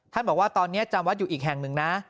บอกว่าตอนนี้จำวัดอยู่อีกแห่งหนึ่งนะ